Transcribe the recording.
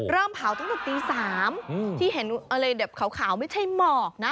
เริ่มเผาตั้งแต่ตี๓ที่เห็นอะไรแบบขาวไม่ใช่หมอกนะ